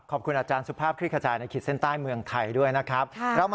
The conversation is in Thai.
ขอบคุณอาจารย์สุภาพคลิกขจายในขีดเส้นใต้เมืองไทยด้วยนะครับ